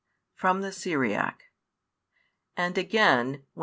(From the Syriac) AND AGAIN, WHEN [S.